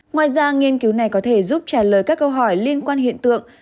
ngoài ra nghiên cứu này có thể giúp trả lời các câu hỏi liên quan hiện tượng